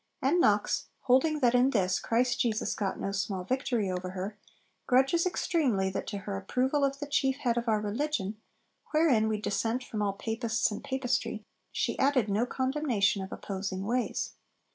"' And Knox, holding that in this 'Christ Jesus got no small victory' over her, grudges extremely that to her approval of 'the chief head of our religion, wherein we dissent from all Papists and Papistry,' she added no condemnation of opposing ways.